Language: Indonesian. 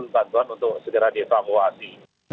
bantuan untuk segera dievakuasi